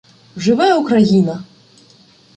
Живе Україна!